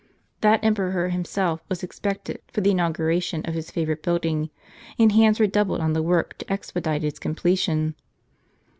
That em peror himself was expected for the inau guration of his favorite building, and hands were doubled on the work to expedite its ■) completion.